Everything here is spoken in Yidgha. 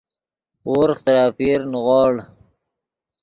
ورغ ترے اپیر نیغوڑ